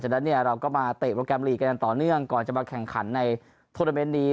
เพราะฉะนั้นเราก็มาเตะกันต่อเนื่องก่อนจะมาแข่งขันในโทรเมนต์นี้